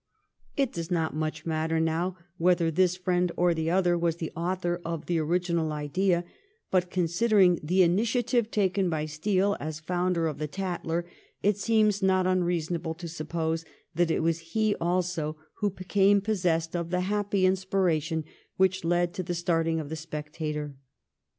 It does not much matter now whether this friend or the other was the author of the original idea, but considering the initiative taken by Steele as founder of 'The Tatler,' it seems not unreasonable to suppose that it was he also who became possessed with the happy inspiration which led to the starting of * The Spectator.'